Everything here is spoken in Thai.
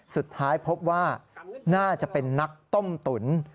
สุดท้ายพบว่าน่าจะเป็นนักต้มตุ๋น